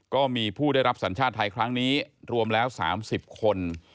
ก็มีผู้ได้รับสัญชาติไทยครั้งนี้รวมแล้ว๓๐คน